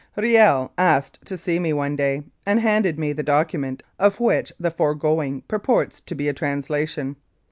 Riel asked to see me one day, and handed me the document of which the foregoing purports to be a translation.